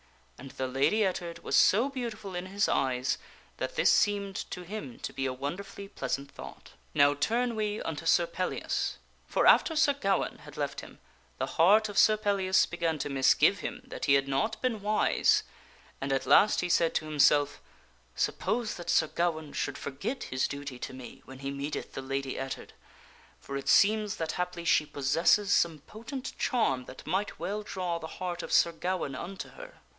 And the Lady Ettard was so beautiful in his eyes that this seemed to him to be a wonderfully pleasant thought. Now turn we unto Sir Pellias : For after Sir Gawaine had left him, the heart of Sir Pellias began to misgive him that he had not been wise ; and at last he said to himself, "Suppose that Sir Gawaine should forget his duty to me when he meeteth the Lady Ettard. For it seems that haply she possesses some potent charm that might well draw the heart of Sir Gawaine unto her.